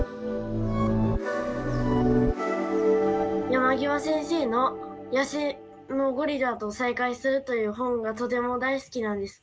山極先生の「野生のゴリラと再会する」という本がとても大好きなんですけど。